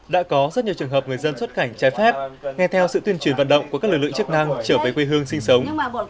đã có rất nhiều trường hợp người dân xuất cảnh trái phép nghe theo sự tuyên truyền vận động của các lực lượng chức năng trở về quê hương sinh sống